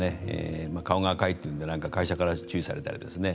顔が赤いというので会社から注意されたりですね。